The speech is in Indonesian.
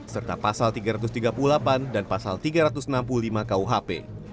serta pasal tiga ratus tiga puluh delapan dan pasal tiga ratus enam puluh lima kuhp